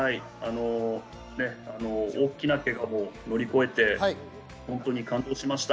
大きなけがを乗り越えて、本当に感動しました。